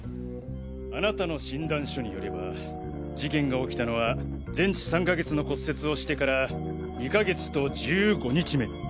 あなたの診断書によれば事件が起きたのは全治３か月の骨折をしてから２か月と１５日目。